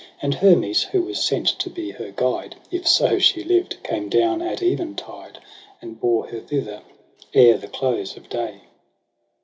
And Hermes, who was sent to be her guide Ifso she lived, came down at eventide. And bore her thither ere the close of day.